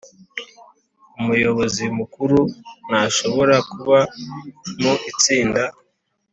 Umuyobozi Mukuru ntashobora kuba mu Itsinda